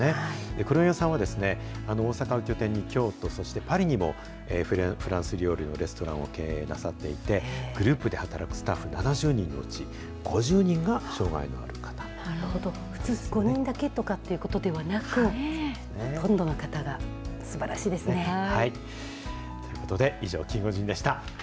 黒岩さんはですね、大阪を拠点に京都、そしてパリにもフランス料理のレストランを経営なさっていて、グループで働くスタッフ７０人のうち、普通、５人だけっていうことではなく、ほとんどの方が。ということで、以上、キンゴジンでした。